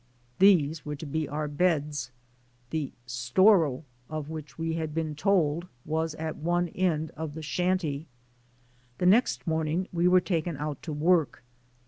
These were to be our beds. The "storo" of which we had been told was at one end of the shanty. The next morning we were taken out to work.